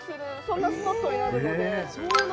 そんなスポットになるので。